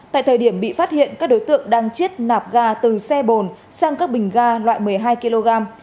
tại thời điểm bị phát hiện các đối tượng đang chiết nạp ga từ xe bồn sang các bình ga loại một mươi hai kg